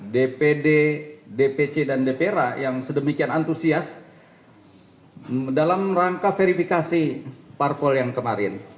dpd dpc dan dpra yang sedemikian antusias dalam rangka verifikasi parpol yang kemarin